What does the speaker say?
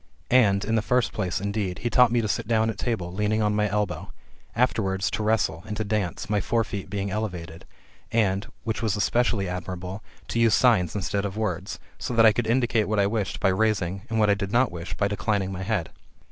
And, in the first place, indeed, he taught me to sit down at table, leaning on my elbow ; afterwards, to wrestle, and to dance, my fore feet being elevated ; and, which was especially admirable, to use signs instead of words ; so that I could indicate what I wished by raising, and what I did not wish by declining my head.